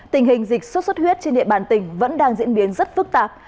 tình hình dịch sốt xuất huyết trên địa bàn tỉnh vẫn đang diễn biến rất phức tạp